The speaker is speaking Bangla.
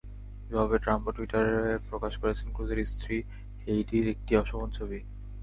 জবাবে ট্রাম্পও টুইটারে প্রকাশ করেছেন ক্রুজের স্ত্রী হেইডির একটি অশোভন ছবি।